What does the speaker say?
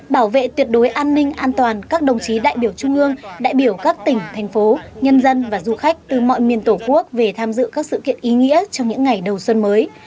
bảo vệ tuyệt đối an ninh an toàn các đồng chí đại biểu trung ương đại biểu các tỉnh thành phố nhân dân và du khách từ mọi miền tổ quốc về tham dự các sự kiện ý nghĩa trong những ngày đầu xuân mới